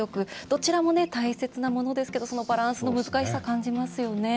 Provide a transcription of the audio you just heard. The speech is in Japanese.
どちらも大切なものですけどそのバランスの難しさ感じますよね。